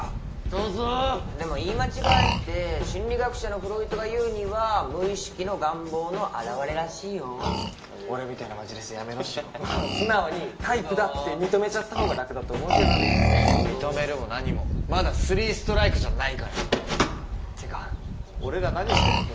どうぞーでも言い間違えって心理学者のフロイトが言うには無意識の願望の表れらしいよ俺みたいなマジレスやめろシロもう素直にタイプだって認めちゃったほうが楽だと思うけどねねっ認めるも何もまだ３ストライクじゃないからってか俺ら何してんの？